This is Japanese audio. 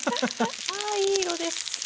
ああいい色です！